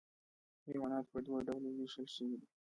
حیوانات په دوه ډلو ویشل شوي دي